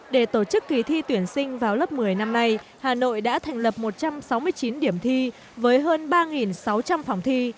để tổ chức kỳ thi tuyển sinh vào lớp một mươi năm nay hà nội đã thành lập một trăm sáu mươi chín điểm thi với hơn ba sáu trăm linh phòng thi